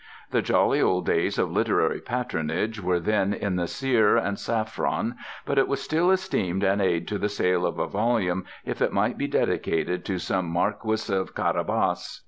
The jolly old days of literary patronage were then in the sere and saffron, but it was still esteemed an aid to the sale of a volume if it might be dedicated to some marquis of Carabas.